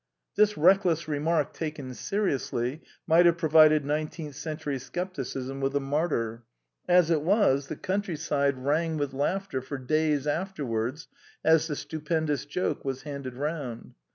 This reckless remark, taken seriously, might have pro vided nineteenth century scepticism with a martyr. As it was, the countryside rang with laughter for days afterwards as the stupendous joke was handed round.